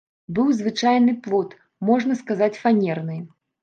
Быў звычайны плот, можна сказаць, фанерны.